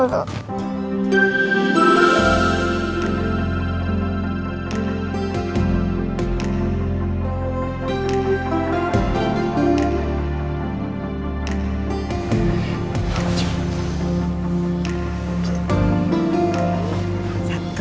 satu dua tiga